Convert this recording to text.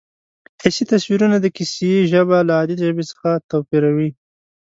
حسي تصویرونه د کیسې ژبه له عادي ژبې څخه توپیروي